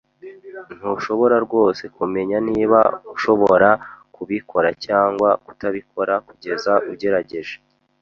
Ntushobora rwose kumenya niba ushobora kubikora cyangwa kutabikora kugeza ugerageje.